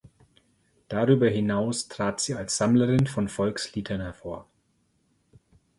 Darüber hinaus trat sie als Sammlerin von Volksliedern hervor.